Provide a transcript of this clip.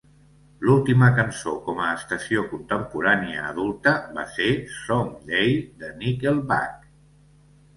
L'última cançó com a estació contemporània adulta va ser "Someday" de Nickelback.